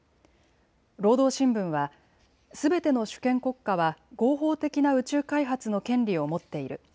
労働新聞はすべての主権国家は合法的な宇宙開発の権利を持っている。